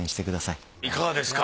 いかがですか？